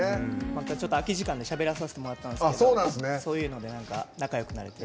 またちょっと空き時間でしゃべらさせてもらったんですけどそういうので何か仲よくなれて。